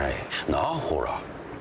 なあほら